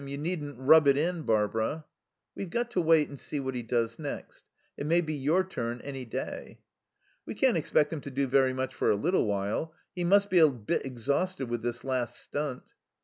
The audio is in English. You needn't rub it in, Barbara." "We've got to wait and see what he does next. It may be your turn any day." "We can't expect him to do very much for a little while. He must be a bit exhausted with this last stunt."